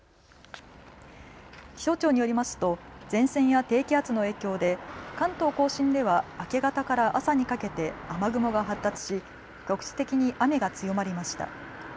気象庁によりますと前線や低気圧の影響で関東甲信では明け方から朝にかけて雨雲が発達し局地的に雨が強まりました。